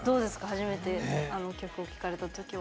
初めてあの曲を聴かれた時は。